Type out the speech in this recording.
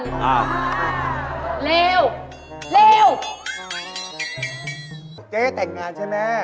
เจ๊จะแต่งงานใช่มั้ย